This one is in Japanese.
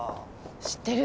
知ってる？